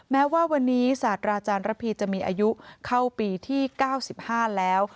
แม้ว่าวันนี้ศาสตราจารย์ระพีจะมีอายุเข้าปีที่๙๕แล้ว